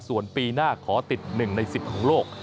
ส่วนปีหน้าขอติด๑ใน๑๐ของโลก